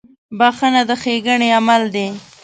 • بخښنه د ښېګڼې عمل دی.